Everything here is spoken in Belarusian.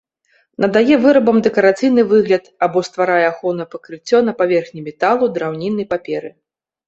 Надае вырабам дэкарацыйны выгляд або стварае ахоўнае пакрыццё на паверхні металу, драўніны, паперы.